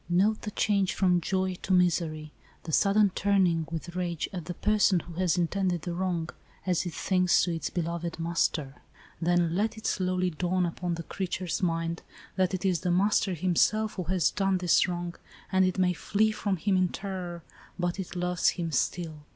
Note the change from joy to misery, the sudden turning with rage at the person who has intended the wrong, as it thinks to its beloved master. Then let it slowly dawn upon the crea ture's mind, that it is the master himself, who has done this wrong, and it may flee from him in terror, but it loves him still.